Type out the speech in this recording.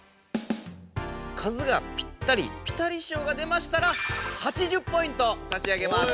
数がピッタリピタリ賞が出ましたら８０ポイントさし上げます！